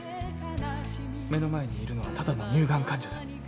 目の前にいるのはただの乳がん患者だ。